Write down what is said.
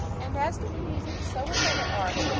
And as with music, so with all other arts.